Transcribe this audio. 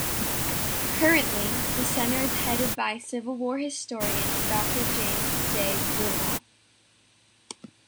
Currently the center is headed by Civil War historian Doctor James J. Broomall.